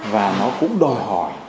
và nó cũng đòi hỏi